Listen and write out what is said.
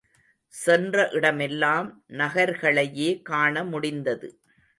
சென்ற இடமெல்லாம் நகர்களையே காண முடிந்தது.